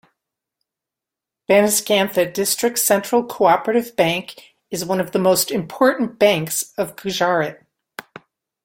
Banaskantha District Central Co-operative Bank is one of the most important banks of Gujarat.